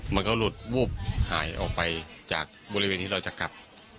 มันก็หลุดวูบหายออกไปจากบริเวณที่เราจะกลับ